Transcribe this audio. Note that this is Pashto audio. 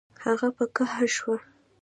هغه په قهر شو